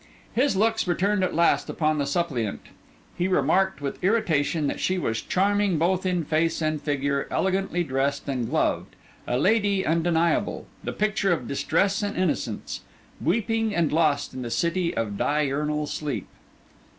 His looks returned at last upon the suppliant. He remarked with irritation that she was charming both in face and figure, elegantly dressed and gloved; a lady undeniable; the picture of distress and innocence; weeping and lost in the city of diurnal sleep.